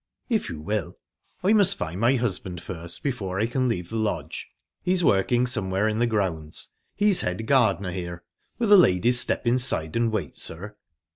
"If you will." "I must find my husband first, before I can leave the lodge. He's working somewhere in the grounds; he's head gardener here. Will the ladies step inside and wait, sir?"